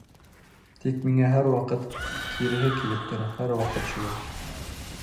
Тик миңә һәр ваҡыт киреһе килеп тора, һәр ваҡыт шулай.